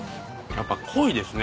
やっぱ濃いですね